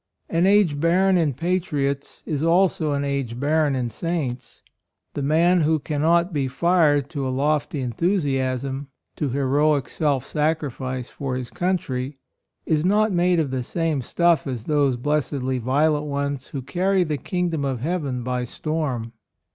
An age barren in patriots is also an age barren in saints. The man who can not be fired to a lofty enthusiasm, to heroic self sacrifice for his country, is not made of the same stuff as those blessedly violent ones who carry the kingdom of heaven by storm.